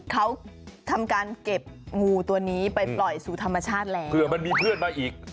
เขาทำการเก็บงูตัวนี้ไปปล่อยสู่ธรรมชาติแล้วเผื่อมันมีเพื่อนมาอีก